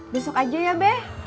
besok aja ya be